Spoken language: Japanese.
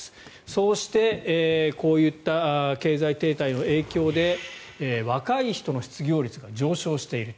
そうしてこういった経済停滞の影響で若い人の失業率が上昇している。